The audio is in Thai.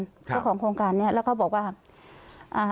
เจ้าของโครงการเนี้ยแล้วเขาบอกว่าอ่า